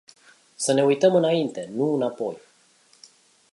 Să ne uităm înainte, nu înapoi.